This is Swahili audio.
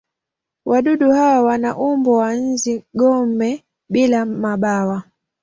Wadudu hawa wana umbo wa nzi-gome bila mabawa.